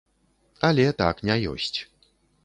Але так не ёсць.